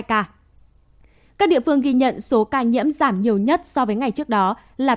các địa phương ghi nhận số ca nhiễm giảm nhiều nhất so với ngày trước đó là